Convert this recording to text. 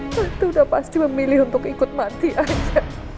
tentu udah pasti memilih untuk ikut mati aja